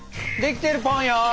できてるポンよ。